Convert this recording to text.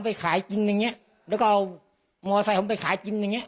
ไปขายกินอย่างเงี้ยแล้วก็เอามอไซค์ผมไปขายกินอย่างเงี้